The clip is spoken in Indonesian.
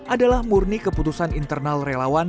adalah murni keputusan internal relawan